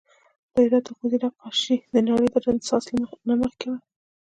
د هرات د ښوونځي نقاشي د نړۍ د رنسانس نه مخکې وه